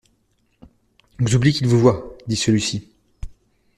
Vous oubliez qu'ils vous voient, dit celui-ci.